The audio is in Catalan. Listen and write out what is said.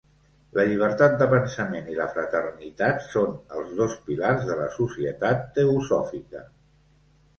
La llibertat de pensament i la fraternitat són els dos pilars de la Societat Teosòfica.